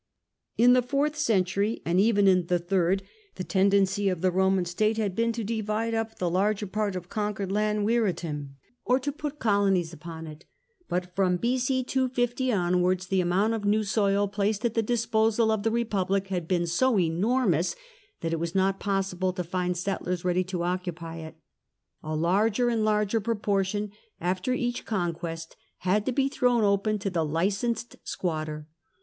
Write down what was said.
In the fourth century, and even in the third, the 26 TIBERIUS GRACCHUS tendency of the Roman state had been to divide up the larger part of conquered land viritim, or to put colonies upon it. Bat from B.c. 250 onwards the amount of new soil placed at the disposal of the Republic had been so enormous that it was not possible to find settlers ready to occupy it. A larger and larger proportion after each conquest had to be thrown open to the licensed squatter.